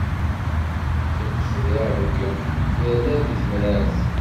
Iṭṭef di Ṛebbi, irna di temrart.